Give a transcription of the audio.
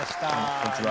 こんにちは。